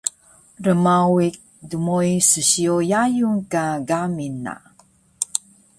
rmawiq dmoi ssiyo yayung ka gamil na